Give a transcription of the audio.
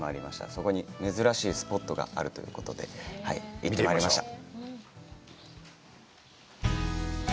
そこに珍しいスポットがあるということで、行ってまいりました。